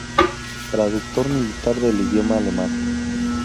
Traductor militar del idioma alemán.